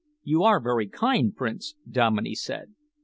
"You are very kind, Prince," Dominey said.